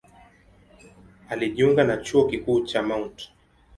Alijiunga na Chuo Kikuu cha Mt.